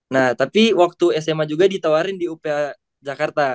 nah tapi waktu sma juga ditawarin di upah jakarta